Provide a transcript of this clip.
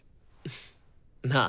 なあ。